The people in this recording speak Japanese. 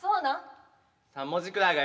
３文字くらいがよかった。